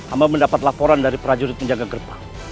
amal mendapat laporan dari prajurit penjaga gerbang